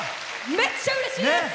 めっちゃうれしいです！